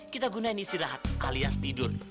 kita gunain istirahat alias tidur